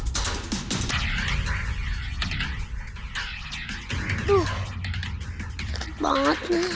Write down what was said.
tuh keren banget nen